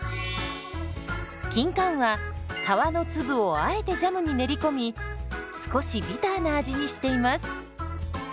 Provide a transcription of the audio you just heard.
キンカンは皮の粒をあえてジャムに練り込み少しビターな味にしています。